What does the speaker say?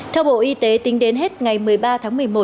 theo bộ y tế tính đến hết ngày một mươi ba tháng một mươi một